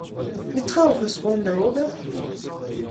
Petra hoc'h eus c'hoant da ober ?